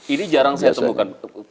ini jarang saya temukan